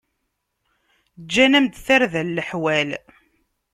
Ǧǧan-am-d tarda leḥwal.